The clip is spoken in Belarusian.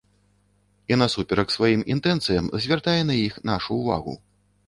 І насуперак сваім інтэнцыям звяртае на іх нашу ўвагу.